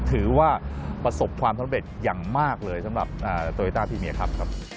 ถือว่าประสบความสำเร็จอย่างมากเลยสำหรับโตโยต้าพรีเมียครับ